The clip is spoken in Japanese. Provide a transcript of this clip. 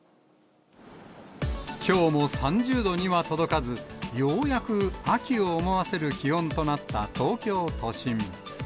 きょうも３０度には届かず、ようやく秋を思わせる気温となった東京都心。